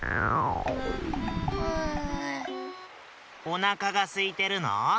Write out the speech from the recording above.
おなかがすいてるの？